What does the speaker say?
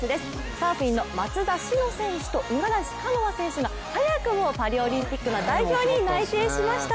サーフィンの松田詩野選手と五十嵐カノア選手が早くもパリオリンピックの代表に内定しました。